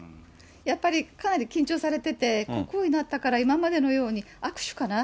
やっぱりかなり緊張されてて、国王になったから今までのように握手かな？